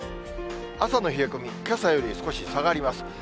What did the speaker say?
朝の冷え込み、けさより少し下がります。